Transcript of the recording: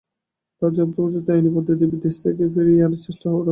তবে যথোপযুক্ত আইনি পদ্ধতিতে বিদেশ থেকে তাঁকে ফিরিয়ে আনার চেষ্টা করা হবে।